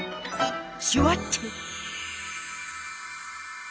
シュワッチ！